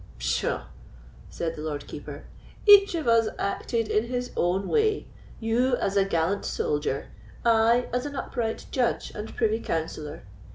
"Pshaw!" said the Lord Keeper, "each of us acted in his own way; you as a gallant soldier, I as an upright judge and privy councillor.